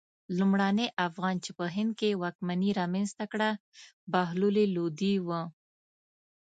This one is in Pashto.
لومړني افغان چې په هند کې واکمني رامنځته کړه بهلول لودی و.